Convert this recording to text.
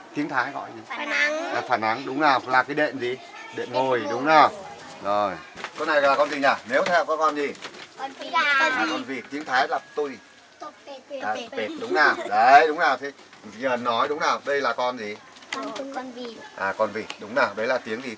cái này gọi là cái gì